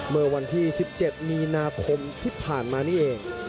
เมื่อวันที่๑๗มีนาคมที่ผ่านมานี่เอง